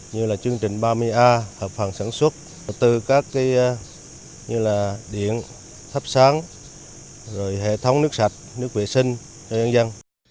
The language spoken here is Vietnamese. như là chương trình ba mươi a hợp phòng sản xuất tập trung các điện thắp sáng hệ thống nước sạch nước vệ sinh cho nhân dân